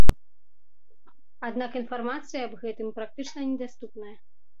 Аднак інфармацыя аб гэтым практычна недаступная.